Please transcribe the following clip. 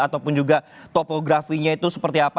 ataupun juga topografinya itu seperti apa